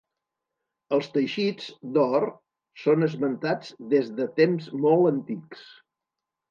Els teixits d’or són esmentats des de temps molt antics.